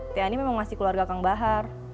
teh ani memang masih keluarga kang bahar